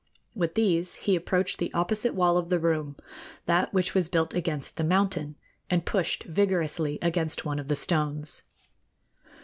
With these he approached the opposite wall of the room that which was built against the mountain and pushed vigorously against one of the stones.